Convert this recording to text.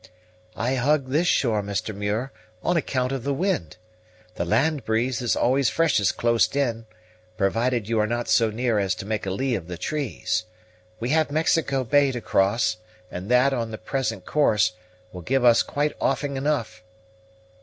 "I hug this shore, Mr. Muir, on account of the wind. The land breeze is always freshest close in, provided you are not so near as to make a lee of the trees. We have Mexico Bay to cross; and that, on the present course, will give us quite offing enough."